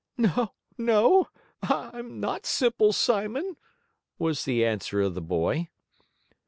"No; I am not Simple Simon," was the answer of the boy.